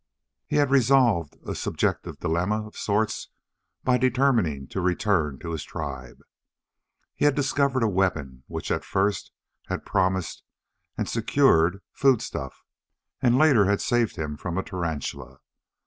He had resolved a subjective dilemma of sorts by determining to return to his tribe. He had discovered a weapon which, at first, had promised and secured foodstuff, and later had saved him from a tarantula.